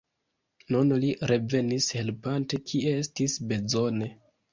Nun li revenis helpante, kie estis bezone.